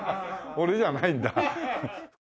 俺じゃないんだ。